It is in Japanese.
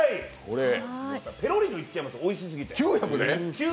ペロリといっちゃいます、おいしすぎて。